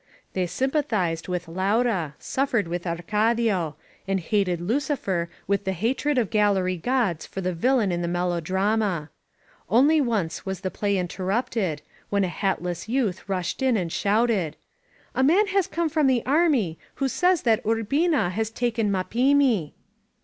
They sympathized with Laura, suffered with Arcadio, and hated Lticifer with the hatred of gallery gods for the villain In the melodrama. Only once was the play in terrupted, when a hatless youth rushed In and shouted : "A man has come from the army, who says that Urblna has taken Maplmi